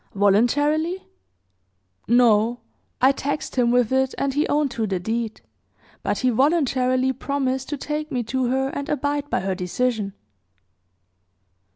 "Voluntarily?" "No; I taxed him with it, and he owned to the deed; but he voluntarily promised to take me to her and abide by her decision."